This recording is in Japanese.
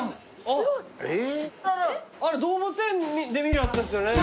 動物園で見るやつですよね。